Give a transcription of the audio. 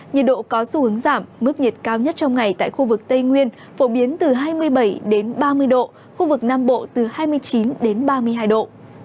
nhiệt độ có xu hướng giảm mức nhiệt cao nhất trong ngày tại khu vực tây nguyên phổ biến từ hai mươi bảy ba mươi độ khu vực nam bộ từ hai mươi chín đến ba mươi hai độ